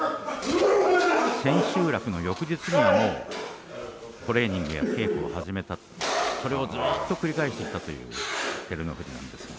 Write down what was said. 千秋楽の翌日にはもうトレーニング、稽古を始めたそれをずっと繰り返してきたという照ノ富士です。